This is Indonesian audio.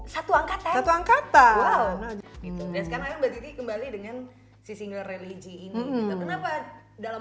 satu angkatan satu angkatan dan sekarang mbak titi kembali dengan si single religion ini kenapa dalam